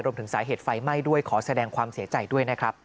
รวมถึงสาเหตุไฟไหม้ด้วยขอแสดงความเสียใจด้วยนะครับ